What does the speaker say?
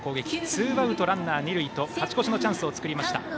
ツーアウトランナー、二塁と勝ち越しのチャンスを作りました。